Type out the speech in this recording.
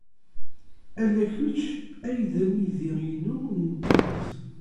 Ala kečč ay d amidi-inu n tidet.